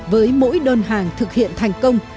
với mỗi đơn hàng thực hiện thành công